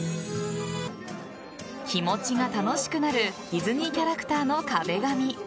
気持ちが楽しくなるディズニーキャラクターの壁紙。